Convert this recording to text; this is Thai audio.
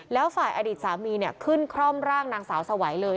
แล้วฝ่ายอดีตสามีขึ้นคร่อมร่างนางสาวสวัยเลย